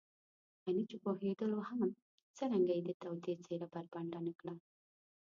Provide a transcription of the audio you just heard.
غني چې پوهېدلو هم څرنګه يې د توطیې څېره بربنډه نه کړه.